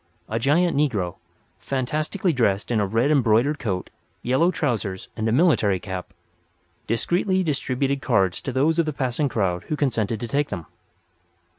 A giant negro, fantastically dressed in a red embroidered coat, yellow trousers and a military cap, discreetly distributed cards to those of the passing crowd who consented to take them.